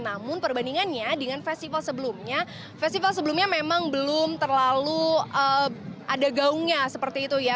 namun perbandingannya dengan festival sebelumnya festival sebelumnya memang belum terlalu ada gaungnya seperti itu ya